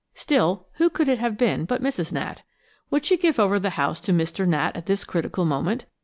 Still, who could it have been but Mrs. Gnat? Would she give over the house to Mr. Gnat at this critical moment?